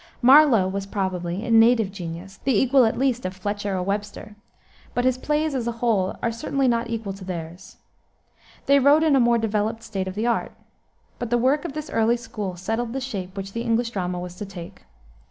Marlowe was probably, in native genius, the equal at least of Fletcher or Webster, but his plays, as a whole, are certainly not equal to theirs. They wrote in a more developed state of the art. But the work of this early school settled the shape which the English drama was to take.